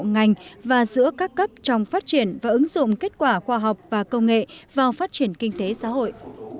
ngành và giữa các cấp trong phát triển và ứng dụng kết quả khoa học và công nghệ vào phát triển kinh tế xã hội